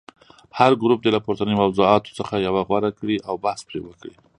هر ګروپ دې له پورتنیو موضوعاتو څخه یوه غوره کړي او بحث پرې وکړي.